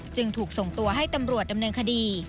จึงถูกส่งตัวให้ตำรวจดำเนินคดี